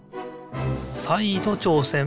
さいどちょうせん。